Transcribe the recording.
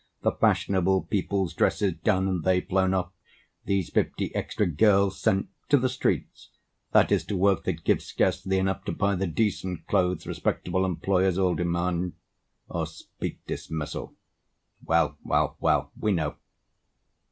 The fashionable people's dresses done, And they flown off, these fifty extra girls Sent—to the streets: that is, to work that gives Scarcely enough to buy the decent clothes Respectable employers all demand Or speak dismissal. Well, well, well, we know!